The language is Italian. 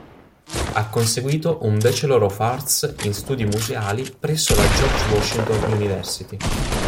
Ha conseguito un Bachelor of Arts in studi museali presso la George Washington University.